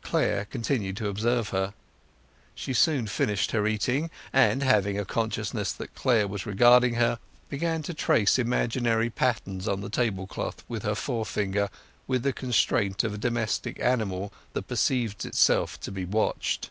Clare continued to observe her. She soon finished her eating, and having a consciousness that Clare was regarding her, began to trace imaginary patterns on the tablecloth with her forefinger with the constraint of a domestic animal that perceives itself to be watched.